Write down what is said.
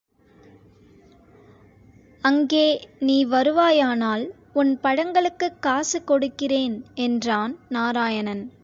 அங்கே நீ வருவாயானால், உன் பழங்களுக்குக் காசு கொடுக்கிறேன் என்றான் நாராயணன்.